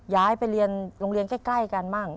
ย้ายไปเรียนโรงเรียนใกล้กันบ้าง